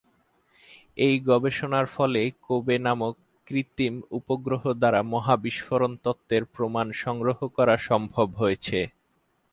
এই গবেষণার ফলেই কোবে নামক কৃত্রিম উপগ্রহ দ্বারা মহা বিস্ফোরণ তত্ত্বের প্রমাণ সংগ্রহ করা সম্ভব হয়েছে।